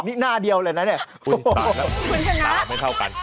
โอ้ยนี่หน้าเดียวแหละเนี่ย